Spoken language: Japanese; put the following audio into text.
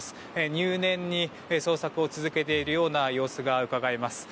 入念に捜索を続けているような様子がうかがえます。